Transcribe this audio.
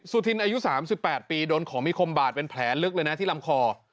สุธินอายุ๓๘ปีโดนของมีคมบาดเป็นแผลลึกเลยนะที่ลำคอ